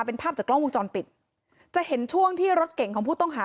เป็นภาพจากกล้องวงจรปิดจะเห็นช่วงที่รถเก่งของผู้ต้องหา